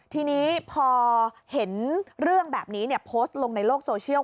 ทีนี้พอเห็นเรื่องแบบนี้โพสต์ลงในโลกโซเชียล